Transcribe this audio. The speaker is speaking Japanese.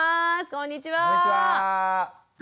こんにちは。